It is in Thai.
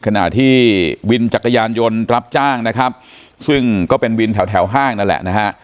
คณะที่วินจักรยานยนตร์รับจ้างซึ่งก็เป็นวินแถวถ้าที่ห้างนั่นแหละ